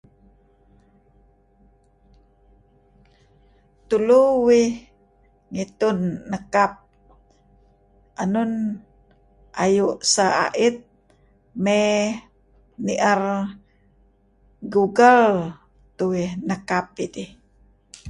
Tulu uih ngitun nekap enun ayu' sah ait may nier Goggle tuih nekap idih.